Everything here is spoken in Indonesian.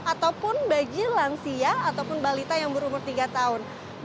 ataupun bagi lansia ataupun balita yang berumur tiga tahun